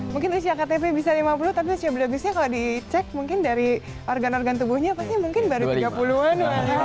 mungkin usia ktp bisa lima puluh tapi usia biologisnya kalau dicek mungkin dari organ organ tubuhnya pasti mungkin baru tiga puluh an ya